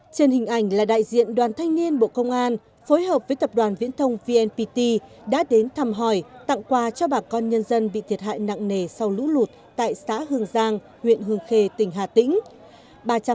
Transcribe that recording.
trên hình ảnh là đại diện đoàn thanh niên bộ công an phối hợp với tập đoàn viễn thông vnpt đã đến thăm hỏi tặng quà cho bà con nhân dân bị thiệt hại nặng nề sau lũ lụt tại xã hương giang huyện hương khê tỉnh hà tĩnh